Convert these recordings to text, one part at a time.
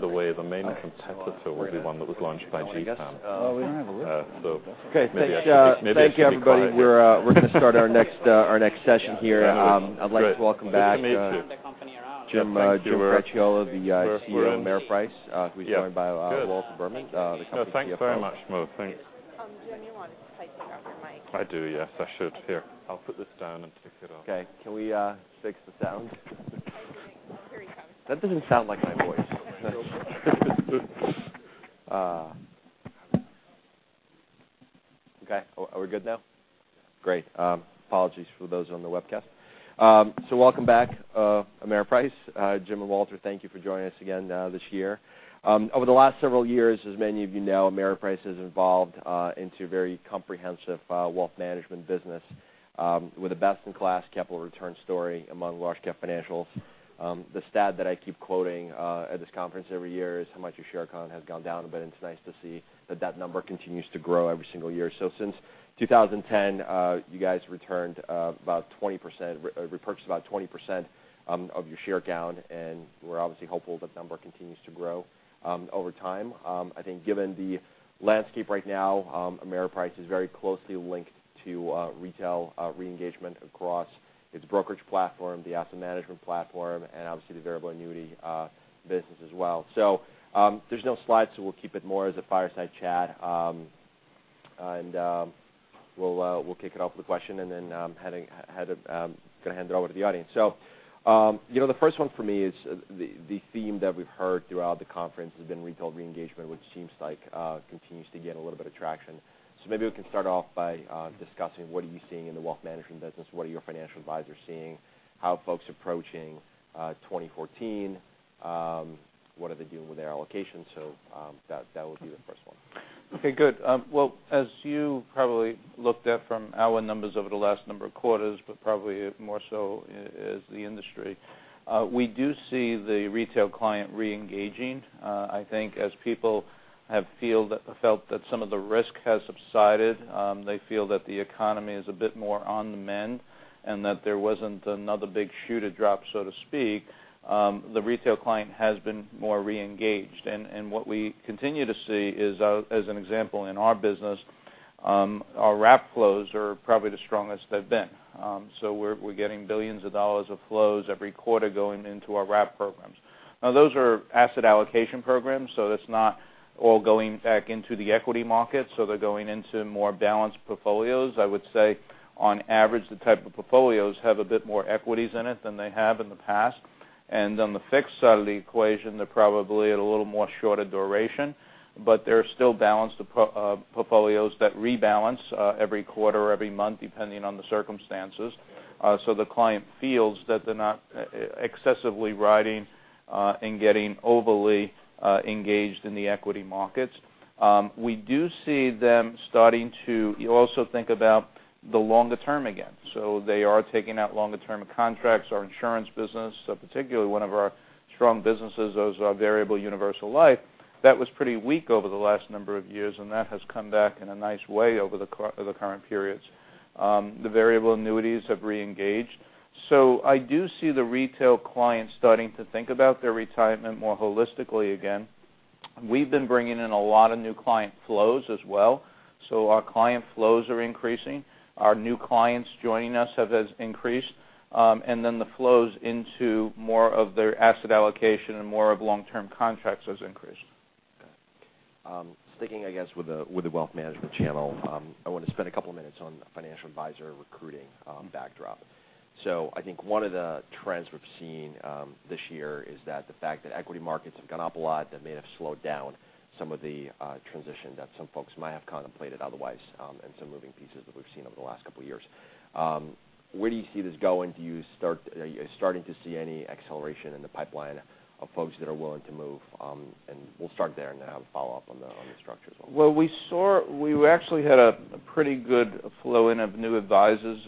The main competitor will be one that was launched by GSAM. We don't have a list. Maybe I should be quiet. Thank you, everybody. We're going to start our next session here. That was great. Good to meet you. I'd like to welcome back Jim Cracchiolo, the Chief Executive Officer of Ameriprise. Yeah. Good who is joined by Walter Berman, the company CFO. No, thanks very much, Mo. Thanks. Do any one of you guys want to take off your mic? I do, yes. I should. Here, I'll put this down and take it off. Okay. Can we fix the sound? I do think. Oh, here we go. That doesn't sound like my voice. Okay. Are we good now? Great. Apologies for those on the webcast. Welcome back, Ameriprise. Jim and Walter, thank you for joining us again this year. Over the last several years, as many of you know, Ameriprise has evolved into a very comprehensive wealth management business with a best-in-class capital return story among large cap financials. The stat that I keep quoting at this conference every year is how much your share count has gone down a bit, and it's nice to see that that number continues to grow every single year. Since 2010, you guys repurchased about 20% of your share count, and we're obviously hopeful that number continues to grow over time. I think given the landscape right now, Ameriprise is very closely linked to retail re-engagement across its brokerage platform, the asset management platform, and obviously the variable annuity business as well. There's no slides, so we'll keep it more as a fireside chat. We'll kick it off with a question, and then I'm going to hand it over to the audience. The first one for me is the theme that we've heard throughout the conference has been retail re-engagement, which seems like continues to get a little bit of traction. Maybe we can start off by discussing what are you seeing in the wealth management business, what are your financial advisors seeing, how folks approaching 2014, what are they doing with their allocation? That would be the first one. Okay, good. Well, as you probably looked at from our numbers over the last number of quarters, but probably more so as the industry, we do see the retail client re-engaging. I think as people have felt that some of the risk has subsided, they feel that the economy is a bit more on the mend, and that there wasn't another big shoe to drop, so to speak. The retail client has been more re-engaged. What we continue to see is, as an example in our business, our wrap flows are probably the strongest they've been. We're getting billions of dollars of flows every quarter going into our wrap programs. Now, those are asset allocation programs, so that's not all going back into the equity market. They're going into more balanced portfolios. I would say, on average, the type of portfolios have a bit more equities in it than they have in the past. On the fixed side of the equation, they're probably at a little more shorter duration. They're still balanced portfolios that rebalance every quarter or every month, depending on the circumstances. The client feels that they're not excessively riding and getting overly engaged in the equity markets. We do see them starting to also think about the longer term again. They are taking out longer term contracts. Our insurance business, particularly one of our strong businesses, is our Variable Universal Life. That was pretty weak over the last number of years, and that has come back in a nice way over the current periods. The variable annuities have re-engaged. I do see the retail client starting to think about their retirement more holistically again. We've been bringing in a lot of new client flows as well. Our client flows are increasing. Our new clients joining us have increased. The flows into more of their asset allocation and more of long-term contracts has increased. Okay. Sticking, I guess, with the wealth management channel, I want to spend a couple of minutes on financial advisor recruiting backdrop. I think one of the trends we've seen this year is that the fact that equity markets have gone up a lot, that may have slowed down some of the transition that some folks might have contemplated otherwise, and some moving pieces that we've seen over the last couple of years. Where do you see this going? Are you starting to see any acceleration in the pipeline of folks that are willing to move? We'll start there and then I have a follow-up on the structures one. We actually had a pretty good flow in of new advisors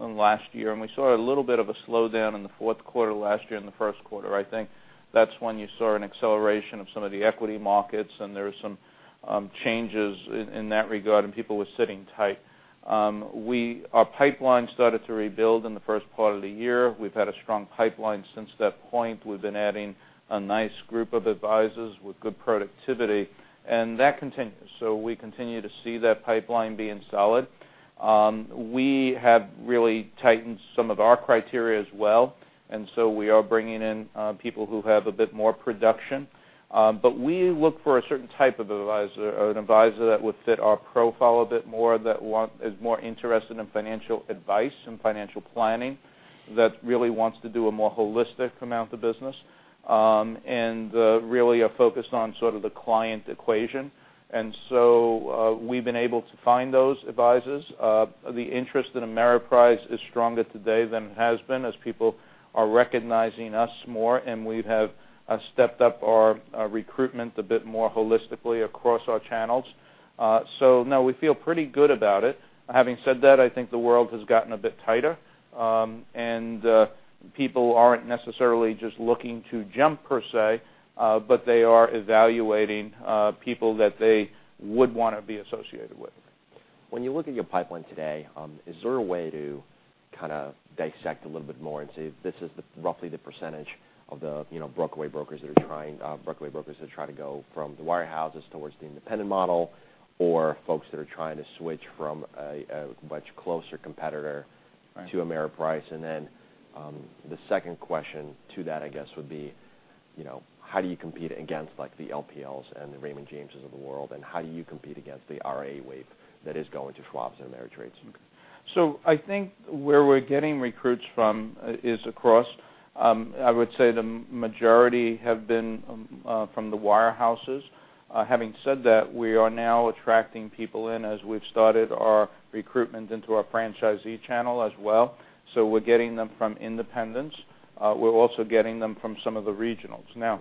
in last year, and we saw a little bit of a slowdown in the fourth quarter last year and the first quarter. I think that's when you saw an acceleration of some of the equity markets and there were some changes in that regard, and people were sitting tight. Our pipeline started to rebuild in the first part of the year. We've had a strong pipeline since that point. We've been adding a nice group of advisors with good productivity, and that continues. We continue to see that pipeline being solid. We have really tightened some of our criteria as well, we are bringing in people who have a bit more production. We look for a certain type of advisor, an advisor that would fit our profile a bit more, that is more interested in financial advice and financial planning, that really wants to do a more holistic amount of business, and really are focused on sort of the client equation. We've been able to find those advisors. The interest in Ameriprise is stronger today than it has been as people are recognizing us more, and we have stepped up our recruitment a bit more holistically across our channels. No, we feel pretty good about it. Having said that, I think the world has gotten a bit tighter, and people aren't necessarily just looking to jump per se, but they are evaluating people that they would want to be associated with. When you look at your pipeline today, is there a way to dissect a little bit more and say, this is roughly the percentage of the breakaway brokers that are trying to go from the wirehouses towards the independent model, or folks that are trying to switch from a much closer competitor. Right to Ameriprise? The second question to that, I guess, would be, how do you compete against the LPLs and the Raymond Jameses of the world, and how do you compete against the RIA wave that is going to Schwab and Ameritrade? I think where we're getting recruits from is across. I would say the majority have been from the wirehouses. Having said that, we are now attracting people in as we've started our recruitment into our franchisee channel as well. We're getting them from independents. We're also getting them from some of the regionals. Now,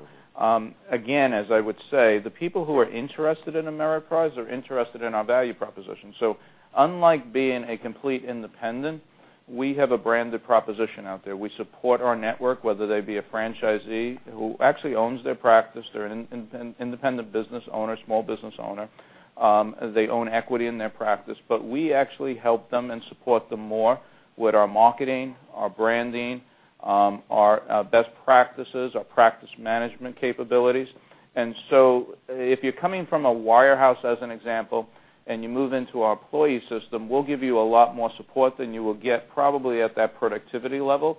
again, as I would say, the people who are interested in Ameriprise are interested in our value proposition. Unlike being a complete independent, we have a branded proposition out there. We support our network, whether they be a franchisee who actually owns their practice. They're an independent business owner, small business owner. They own equity in their practice. We actually help them and support them more with our marketing, our branding, our best practices, our practice management capabilities. If you're coming from a wirehouse, as an example, and you move into our employee system, we'll give you a lot more support than you will get probably at that productivity level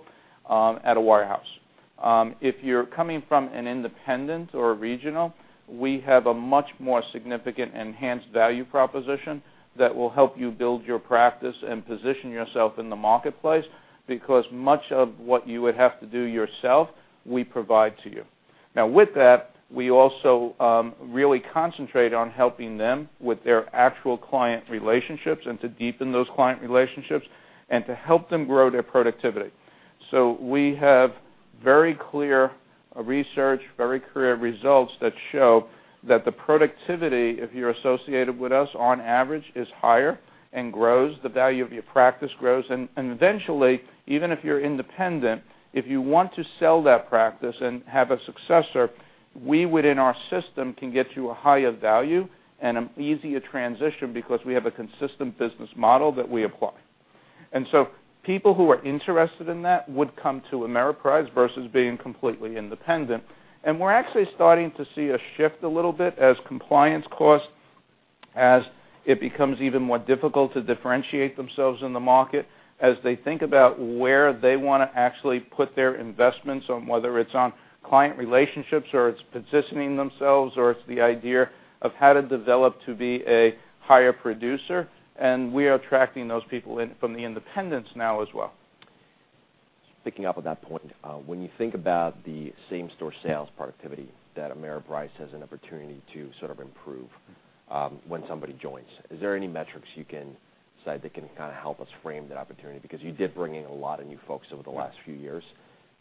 at a wirehouse. If you're coming from an independent or a regional, we have a much more significant enhanced value proposition that will help you build your practice and position yourself in the marketplace, because much of what you would have to do yourself, we provide to you. Now, with that, we also really concentrate on helping them with their actual client relationships, and to deepen those client relationships, and to help them grow their productivity. We have very clear research, very clear results that show that the productivity, if you're associated with us, on average, is higher and grows. The value of your practice grows. Eventually, even if you're independent, if you want to sell that practice and have a successor, we within our system can get you a higher value and an easier transition because we have a consistent business model that we apply. People who are interested in that would come to Ameriprise versus being completely independent. We're actually starting to see a shift a little bit as compliance costs, as it becomes even more difficult to differentiate themselves in the market, as they think about where they want to actually put their investments, on whether it's on client relationships, or it's positioning themselves, or it's the idea of how to develop to be a higher producer. We are attracting those people in from the independents now as well. Picking up on that point, when you think about the same store sales productivity that Ameriprise has an opportunity to sort of improve when somebody joins, is there any metrics you can cite that can kind of help us frame that opportunity? Because you did bring in a lot of new folks over the last few years,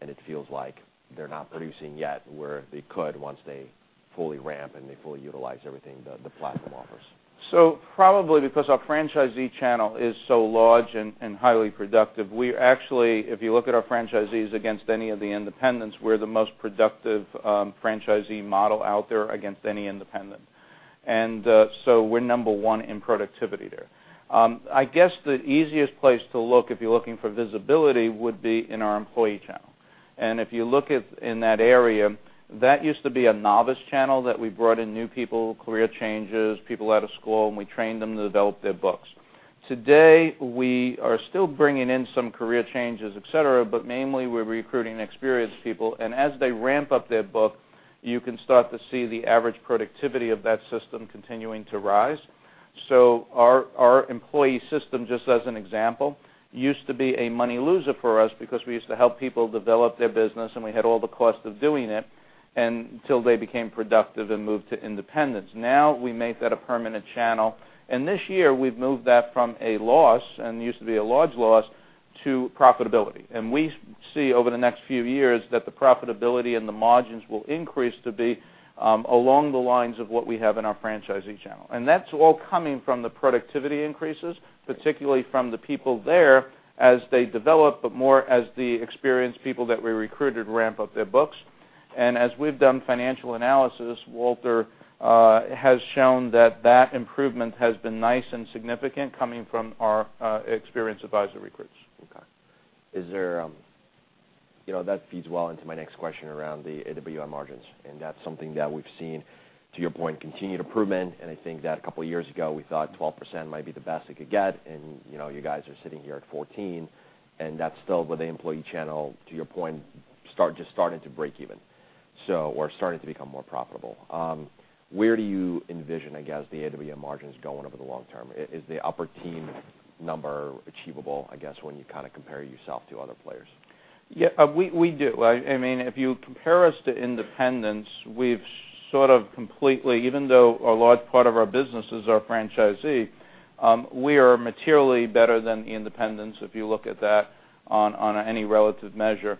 and it feels like they're not producing yet where they could once they fully ramp and they fully utilize everything the platform offers. Probably because our franchisee channel is so large and highly productive, we actually, if you look at our franchisees against any of the independents, we're the most productive franchisee model out there against any independent. We're number one in productivity there. I guess the easiest place to look if you're looking for visibility would be in our employee channel. If you look in that area, that used to be a novice channel that we brought in new people, career changes, people out of school, and we trained them to develop their books. Today, we are still bringing in some career changes, et cetera, but mainly we're recruiting experienced people, and as they ramp up their book, you can start to see the average productivity of that system continuing to rise. Our employee system, just as an example, used to be a money loser for us because we used to help people develop their business, and we had all the cost of doing it until they became productive and moved to independence. Now we make that a permanent channel, and this year we've moved that from a loss, and it used to be a large loss, to profitability. We see over the next few years that the profitability and the margins will increase to be along the lines of what we have in our franchisee channel. That's all coming from the productivity increases, particularly from the people there as they develop, but more as the experienced people that we recruited ramp up their books. As we've done financial analysis, Walter has shown that that improvement has been nice and significant coming from our experienced advisory groups. Okay. That feeds well into my next question around the AWM margins, that's something that we've seen, to your point, continued improvement. I think that a couple of years ago, we thought 12% might be the best it could get, and you guys are sitting here at 14%, and that's still with the employee channel, to your point, just starting to break even. We're starting to become more profitable. Where do you envision, I guess, the AWM margins going over the long term? Is the upper teen number achievable, I guess, when you kind of compare yourself to other players? Yeah, we do. If you compare us to independents, we've sort of completely, even though a large part of our business is our franchisee, we are materially better than the independents if you look at that on any relative measure.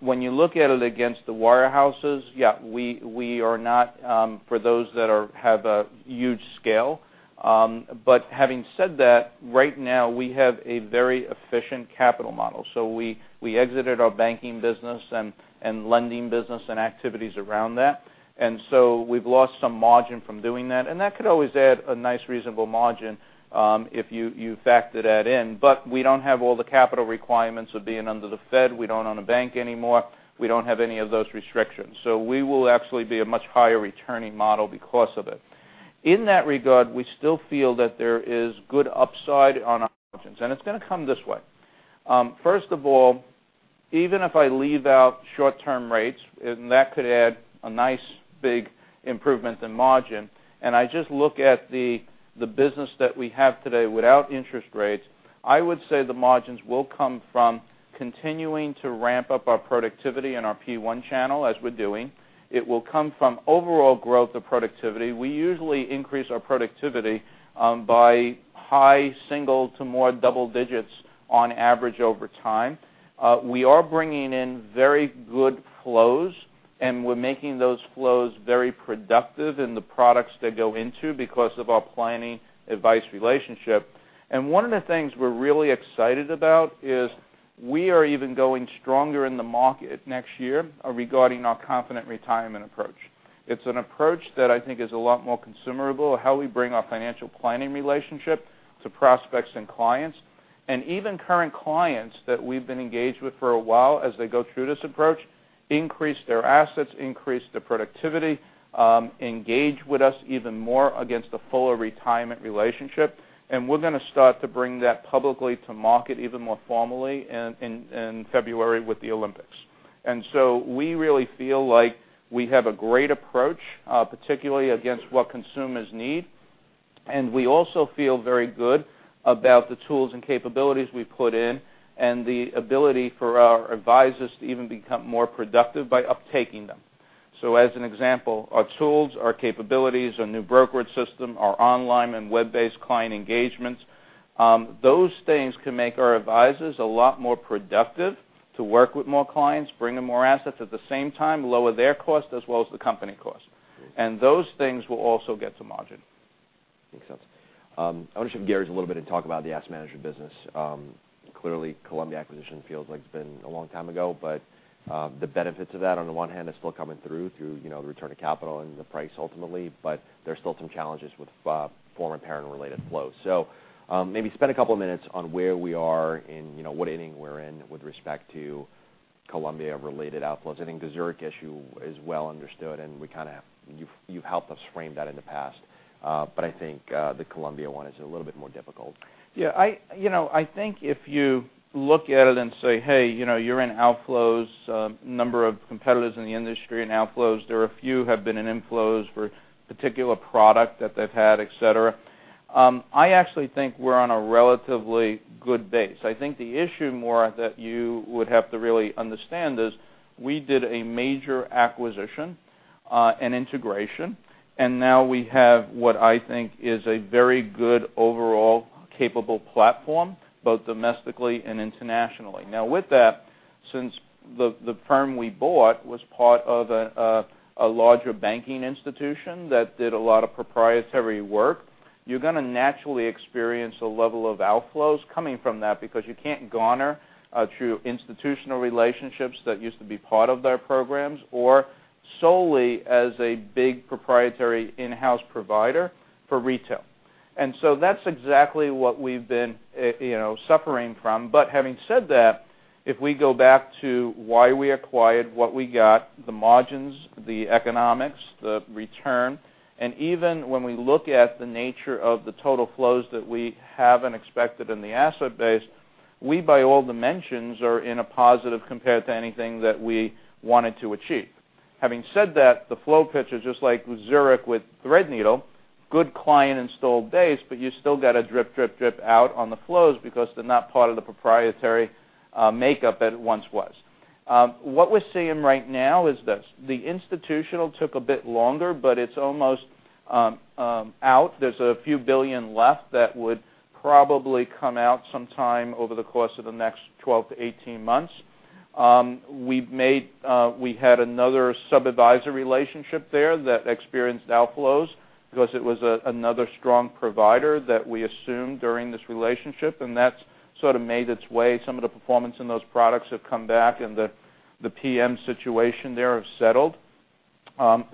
When you look at it against the wirehouses, yeah, we are not for those that have a huge scale. Having said that, right now we have a very efficient capital model. We exited our banking business and lending business and activities around that. We've lost some margin from doing that, and that could always add a nice reasonable margin if you factor that in. We don't have all the capital requirements of being under the Fed. We don't own a bank anymore. We don't have any of those restrictions. We will actually be a much higher returning model because of it. In that regard, we still feel that there is good upside on our margins, it's going to come this way. First of all, even if I leave out short-term rates, that could add a nice big improvement in margin, I just look at the business that we have today without interest rates, I would say the margins will come from continuing to ramp up our productivity in our P1 channel as we're doing. It will come from overall growth of productivity. We usually increase our productivity by high single to more double digits on average over time. We are bringing in very good flows, and we're making those flows very productive in the products they go into because of our planning advice relationship. One of the things we're really excited about is we are even going stronger in the market next year regarding our Confident Retirement approach. It's an approach that I think is a lot more consumerable of how we bring our financial planning relationship to prospects and clients. Even current clients that we've been engaged with for a while as they go through this approach increase their assets, increase their productivity, engage with us even more against the fuller retirement relationship. We're going to start to bring that publicly to market even more formally in February with the Olympics. We really feel like we have a great approach, particularly against what consumers need, and we also feel very good about the tools and capabilities we put in and the ability for our advisors to even become more productive by uptaking them. As an example, our tools, our capabilities, our new brokerage system, our online and web-based client engagements, those things can make our advisors a lot more productive to work with more clients, bring in more assets at the same time, lower their cost, as well as the company cost. Those things will also get to margin. Makes sense. I want to shift gears a little bit and talk about the asset management business. Clearly, Columbia acquisition feels like it's been a long time ago, but the benefits of that on the one hand are still coming through the return of capital and the price ultimately, but there's still some challenges with former parent-related flows. Maybe spend a couple of minutes on where we are and what inning we're in with respect to Columbia-related outflows. I think the Zurich issue is well understood, and you've helped us frame that in the past. I think the Columbia one is a little bit more difficult. Yeah. I think if you look at it and say, "Hey, you're in outflows, a number of competitors in the industry in outflows. There are a few have been in inflows for particular product that they've had, et cetera." I actually think we're on a relatively good base. I think the issue more that you would have to really understand is we did a major acquisition, an integration, and now we have what I think is a very good overall capable platform, both domestically and internationally. Now with that, since the firm we bought was part of a larger banking institution that did a lot of proprietary work, you're going to naturally experience a level of outflows coming from that because you can't garner through institutional relationships that used to be part of their programs or solely as a big proprietary in-house provider for retail. That's exactly what we've been suffering from. Having said that, if we go back to why we acquired what we got, the margins, the economics, the return, and even when we look at the nature of the total flows that we have and expected in the asset base, we by all dimensions are in a positive compared to anything that we wanted to achieve. Having said that, the flow picture, just like with Zurich with Threadneedle, good client installed base, but you still got a drip, drip out on the flows because they're not part of the proprietary makeup it once was. What we're seeing right now is this. The institutional took a bit longer, but it's almost out. There's a few billion left that would probably come out sometime over the course of the next 12-18 months. We had another sub-advisory relationship there that experienced outflows because it was another strong provider that we assumed during this relationship, and that's sort of made its way. Some of the performance in those products have come back, and the PM situation there have settled.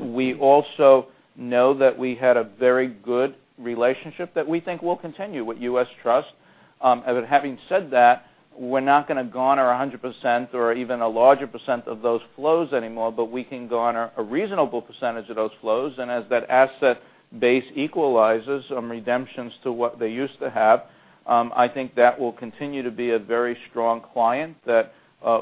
We also know that we had a very good relationship that we think will continue with U.S. Trust. Having said that, we're not going to garner 100% or even a larger percent of those flows anymore, but we can garner a reasonable percentage of those flows. As that asset base equalizes on redemptions to what they used to have, I think that will continue to be a very strong client that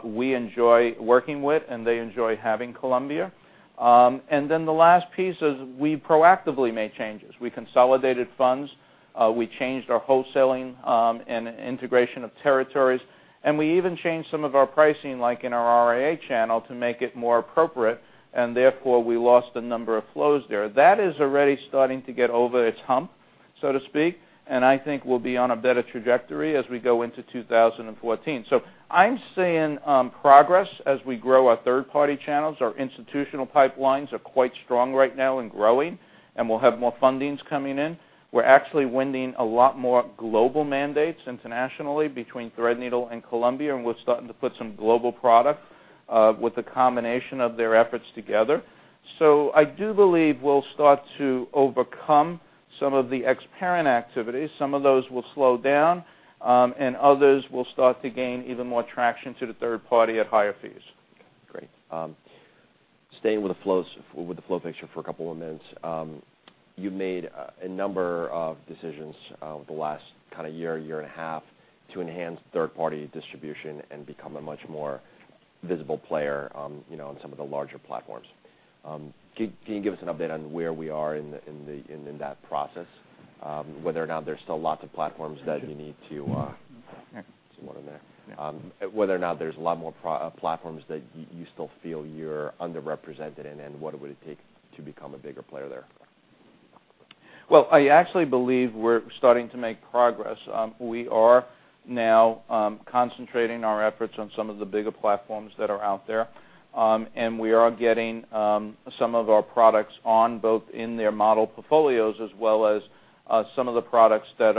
we enjoy working with, and they enjoy having Columbia. The last piece is we proactively made changes. We consolidated funds. We changed our wholesaling and integration of territories, and we even changed some of our pricing, like in our RIA channel, to make it more appropriate, and therefore, we lost a number of flows there. That is already starting to get over its hump, so to speak, and I think we'll be on a better trajectory as we go into 2014. I'm seeing progress as we grow our third-party channels. Our institutional pipelines are quite strong right now and growing. We'll have more fundings coming in. We're actually winning a lot more global mandates internationally between Threadneedle and Columbia, and we're starting to put some global product with a combination of their efforts together. I do believe we'll start to overcome some of the ex-parent activities. Some of those will slow down, and others will start to gain even more traction to the third party at higher fees. Great. Staying with the flow picture for a couple of minutes. You made a number of decisions over the last year and a half, to enhance third-party distribution and become a much more visible player on some of the larger platforms. Can you give us an update on where we are in that process? Whether or not there's still lots of platforms that you need to- There there's one in there. Yeah. Whether or not there's a lot more platforms that you still feel you're underrepresented in, and what would it take to become a bigger player there? Well, I actually believe we're starting to make progress. We are now concentrating our efforts on some of the bigger platforms that are out there. We are getting some of our products on both in their model portfolios as well as some of the products that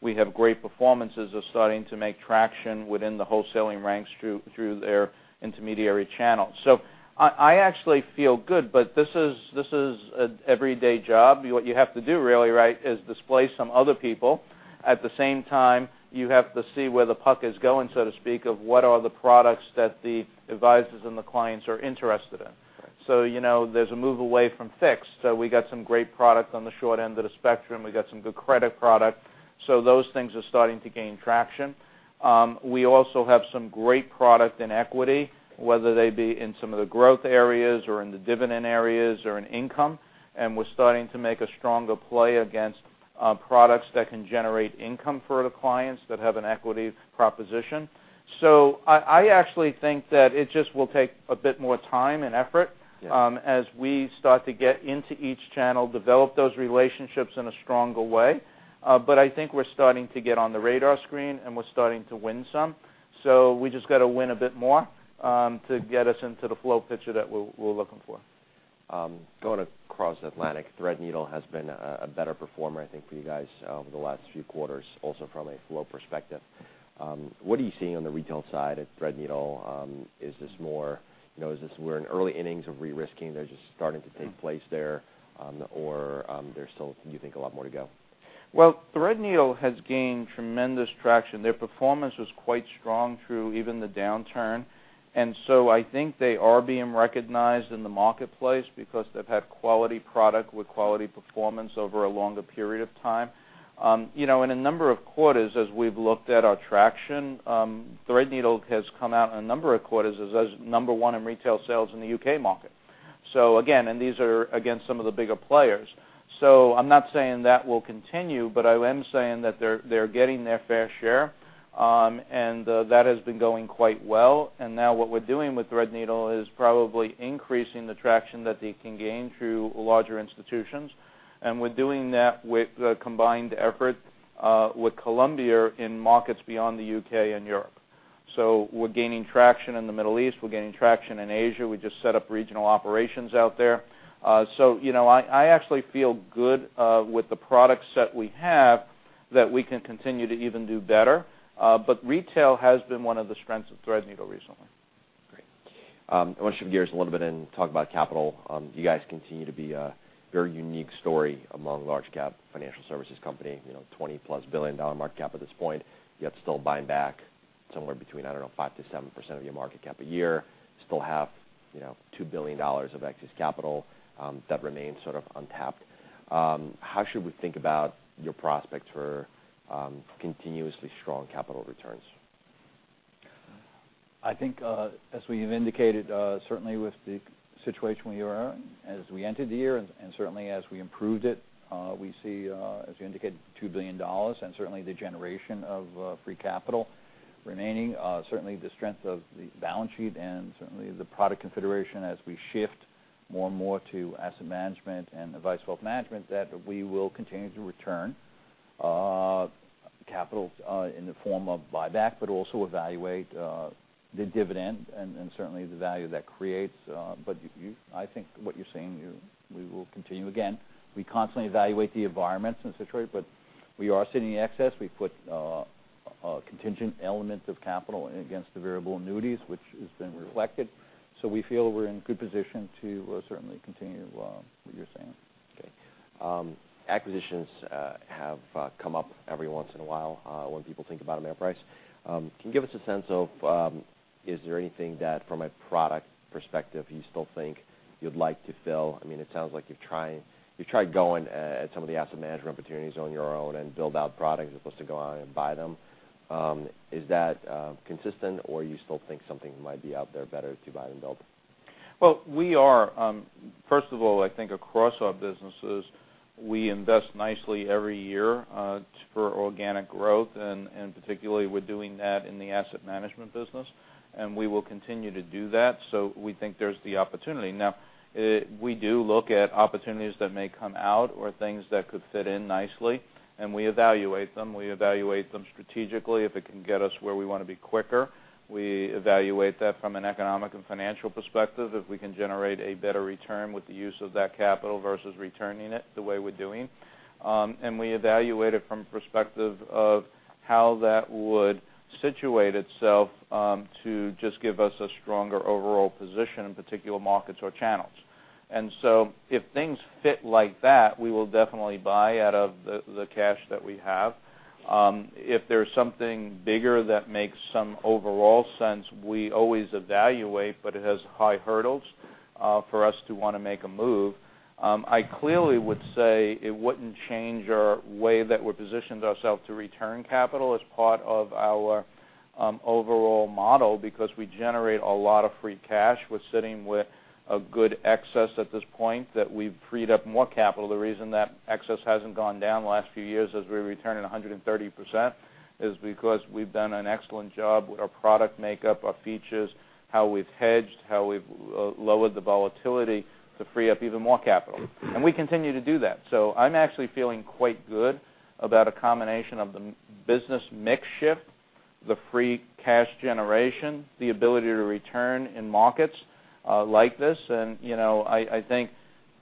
we have great performances are starting to make traction within the wholesaling ranks through their intermediary channels. I actually feel good, but this is an everyday job. What you have to do really is displace some other people. At the same time, you have to see where the puck is going, so to speak, of what are the products that the advisors and the clients are interested in. Right. There's a move away from fixed. We got some great product on the short end of the spectrum. We got some good credit product. Those things are starting to gain traction. We also have some great product in equity, whether they be in some of the growth areas or in the dividend areas or in income. We're starting to make a stronger play against products that can generate income for the clients that have an equity proposition. I actually think that it just will take a bit more time and effort. Yeah as we start to get into each channel, develop those relationships in a stronger way. I think we're starting to get on the radar screen, and we're starting to win some. We just got to win a bit more to get us into the flow picture that we're looking for. Going across Atlantic, Threadneedle has been a better performer, I think, for you guys over the last few quarters, also from a flow perspective. What are you seeing on the retail side at Threadneedle? We're in early innings of re-risking. They're just starting to take place there, or there's still, you think, a lot more to go? Well, Threadneedle has gained tremendous traction. Their performance was quite strong through even the downturn. I think they are being recognized in the marketplace because they've had quality product with quality performance over a longer period of time. In a number of quarters, as we've looked at our traction, Threadneedle has come out in a number of quarters as number one in retail sales in the U.K. market. These are against some of the bigger players. I'm not saying that will continue, but I am saying that they're getting their fair share, and that has been going quite well. Now what we're doing with Threadneedle is probably increasing the traction that they can gain through larger institutions. We're doing that with a combined effort with Columbia in markets beyond the U.K. and Europe. We're gaining traction in the Middle East. We're gaining traction in Asia. We just set up regional operations out there. I actually feel good with the product set we have that we can continue to even do better. Retail has been one of the strengths of Threadneedle recently. Great. I want to shift gears a little bit and talk about capital. You guys continue to be a very unique story among large-cap financial services company, $20+ billion market cap at this point. You have still buying back somewhere between, I don't know, 5%-7% of your market cap a year. Still have $2 billion of excess capital that remains untapped. How should we think about your prospects for continuously strong capital returns? I think as we have indicated, certainly with the situation we are in, as we entered the year and certainly as we improved it, we see, as you indicated, $2 billion and certainly the generation of free capital remaining. Certainly the strength of the balance sheet and certainly the product consideration as we shift more and more to asset management and advice wealth management, that we will continue to return capitals in the form of buyback, but also evaluate the dividend and certainly the value that creates. I think what you're saying, we will continue. Again, we constantly evaluate the environment and situation, but we are sitting in excess. We put contingent elements of capital against the variable annuities, which has been reflected. We feel we're in good position to certainly continue what you're saying. Okay. Acquisitions have come up every once in a while when people think about Ameriprise. Can you give us a sense of, is there anything that, from a product perspective, you still think you'd like to fill? It sounds like you've tried going at some of the asset management opportunities on your own and build out products as opposed to go out and buy them. Is that consistent, or you still think something might be out there better to buy than build? Well, first of all, I think across our businesses, we invest nicely every year for organic growth, and particularly we're doing that in the asset management business, and we will continue to do that. We think there's the opportunity. Now, we do look at opportunities that may come out or things that could fit in nicely, and we evaluate them. We evaluate them strategically, if it can get us where we want to be quicker. We evaluate that from an economic and financial perspective, if we can generate a better return with the use of that capital versus returning it the way we're doing. We evaluate it from the perspective of how that would situate itself to just give us a stronger overall position in particular markets or channels. If things fit like that, we will definitely buy out of the cash that we have. If there's something bigger that makes some overall sense, we always evaluate, but it has high hurdles for us to want to make a move. I clearly would say it wouldn't change our way that we're positioned ourselves to return capital as part of our overall model because we generate a lot of free cash. We're sitting with a good excess at this point that we've freed up more capital. The reason that excess hasn't gone down the last few years as we're returning 130% is because we've done an excellent job with our product makeup, our features, how we've hedged, how we've lowered the volatility to free up even more capital. We continue to do that. I'm actually feeling quite good about a combination of the business mix shift, the free cash generation, the ability to return in markets like this. I think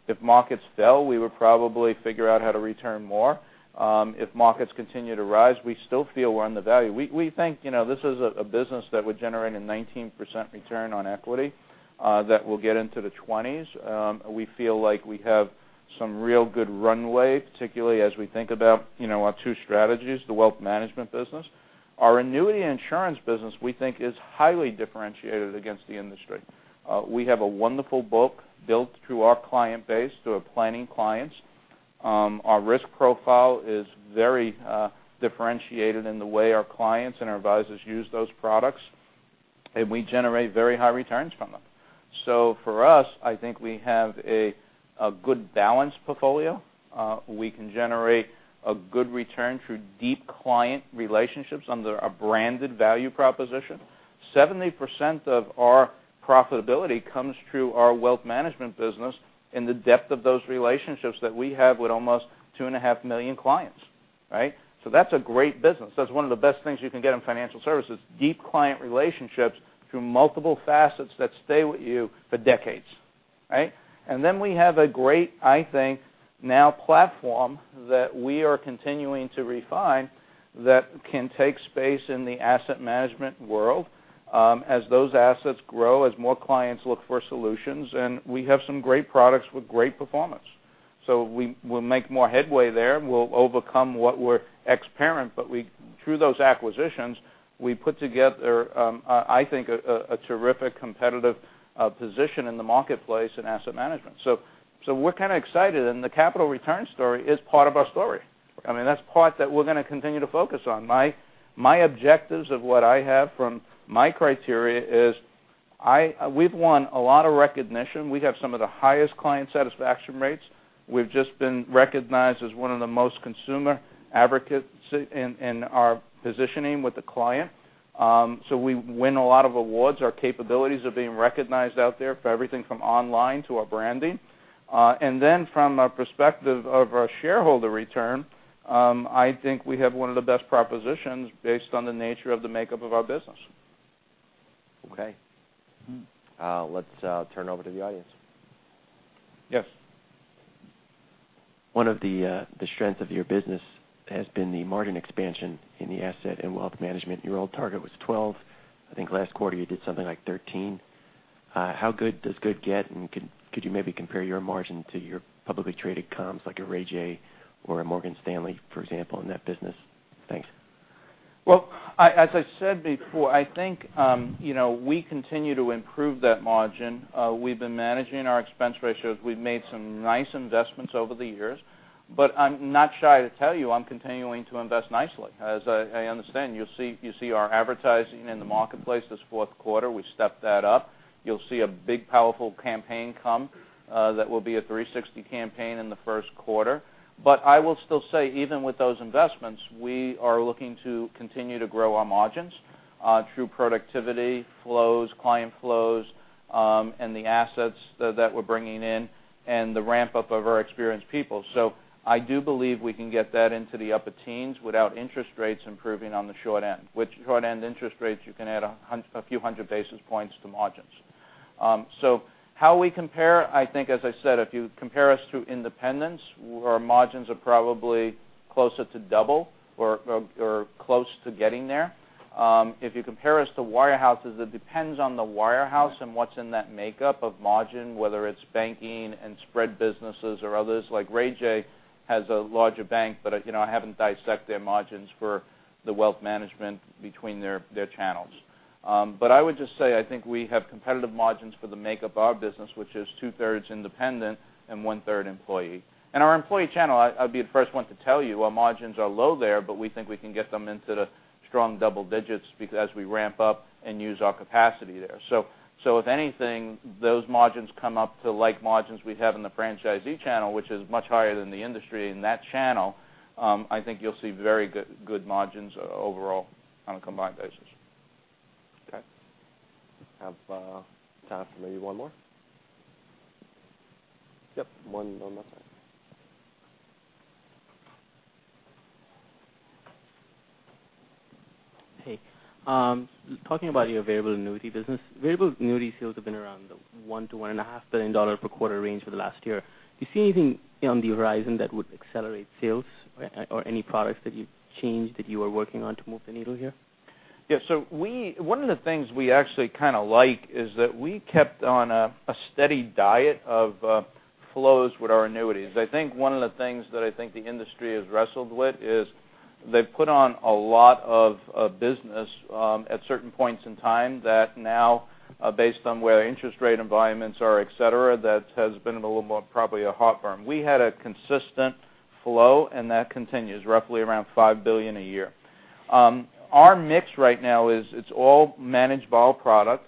if markets fell, we would probably figure out how to return more. If markets continue to rise, we still feel we're on the value. We think this is a business that would generate a 19% return on equity that will get into the 20s. We feel like we have some real good runway, particularly as we think about our two strategies, the wealth management business. Our annuity insurance business, we think, is highly differentiated against the industry. We have a wonderful book built through our client base, through our planning clients. Our risk profile is very differentiated in the way our clients and our advisors use those products, and we generate very high returns from them. For us, I think we have a good balanced portfolio. We can generate a good return through deep client relationships under a branded value proposition. 70% of our profitability comes through our wealth management business and the depth of those relationships that we have with almost two and a half million clients, right? That's a great business. That's one of the best things you can get in financial services, deep client relationships through multiple facets that stay with you for decades, right? We have a great, I think, now platform that we are continuing to refine that can take space in the asset management world as those assets grow, as more clients look for solutions, and we have some great products with great performance. We will make more headway there. We'll overcome what we're ex-parent, but through those acquisitions, we put together, I think, a terrific competitive position in the marketplace in asset management. We're kind of excited, and the capital return story is part of our story. I mean, that's part that we're going to continue to focus on. My objectives of what I have from my criteria is we've won a lot of recognition. We have some of the highest client satisfaction rates. We've just been recognized as one of the most consumer advocates in our positioning with the client. We win a lot of awards. Our capabilities are being recognized out there for everything from online to our branding. From a perspective of our shareholder return, I think we have one of the best propositions based on the nature of the makeup of our business. Okay. Let's turn over to the audience. Yes. One of the strengths of your business has been the margin expansion in the asset and wealth management. Your old target was 12. I think last quarter you did something like 13. How good does good get? Could you maybe compare your margin to your publicly traded comps like a Ray J or a Morgan Stanley, for example, in that business? Thanks. Well, as I said before, I think we continue to improve that margin. We've been managing our expense ratios. We've made some nice investments over the years. I'm not shy to tell you I'm continuing to invest nicely. As I understand, you see our advertising in the marketplace this fourth quarter. We stepped that up. You'll see a big, powerful campaign come that will be a 360 campaign in the first quarter. I will still say, even with those investments, we are looking to continue to grow our margins through productivity flows, client flows, and the assets that we're bringing in, and the ramp-up of our experienced people. I do believe we can get that into the upper teens without interest rates improving on the short end. With short-end interest rates, you can add a few hundred basis points to margins. How we compare, I think, as I said, if you compare us to independents, our margins are probably closer to double or close to getting there. If you compare us to wirehouses, it depends on the wirehouse and what's in that makeup of margin, whether it's banking and spread businesses or others like Raymond James has a larger bank, but I haven't dissected their margins for the wealth management between their channels. I would just say, I think we have competitive margins for the makeup of our business, which is two-thirds independent and one-third employee. Our employee channel, I'd be the first one to tell you our margins are low there, but we think we can get them into the strong double digits as we ramp up and use our capacity there. If anything, those margins come up to like margins we have in the franchisee channel, which is much higher than the industry in that channel. I think you'll see very good margins overall on a combined basis. Okay. Have time for maybe one more. Yep, one on that side. Hey. Talking about your variable annuity business, variable annuity sales have been around the $1 billion-$1.5 billion per quarter range for the last year. Do you see anything on the horizon that would accelerate sales or any products that you've changed that you are working on to move the needle here? Yeah. One of the things we actually kind of like is that we kept on a steady diet of flows with our annuities. I think one of the things that I think the industry has wrestled with is they've put on a lot of business at certain points in time that now based on where interest rate environments are, et cetera, that has been a little more probably a heartburn. We had a consistent flow, and that continues roughly around $5 billion a year. Our mix right now is it's all Managed Volatility product,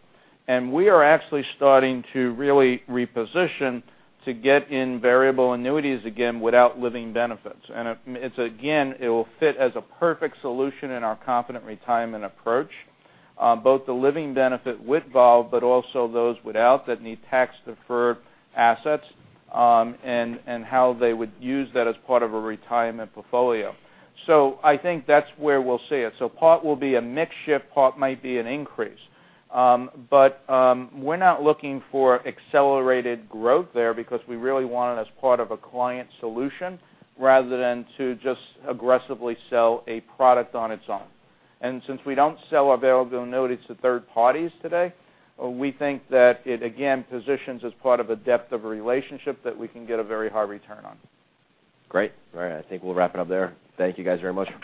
and we are actually starting to really reposition to get in variable annuities again without living benefits. Again, it will fit as a perfect solution in our Confident Retirement approach, both the living benefit with volatility, but also those without that need tax-deferred assets and how they would use that as part of a retirement portfolio. I think that's where we'll see it. Part will be a mix shift, part might be an increase. We're not looking for accelerated growth there because we really want it as part of a client solution rather than to just aggressively sell a product on its own. Since we don't sell variable annuities to third parties today, we think that it, again, positions as part of a depth of a relationship that we can get a very high return on. Great. All right. I think we'll wrap it up there. Thank you, guys, very much for-